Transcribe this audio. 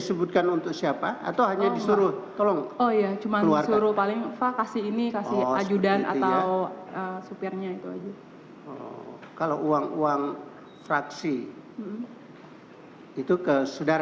semua dapet yang mulia